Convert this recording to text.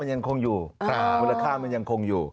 มูลค่ามันยังคงอยู่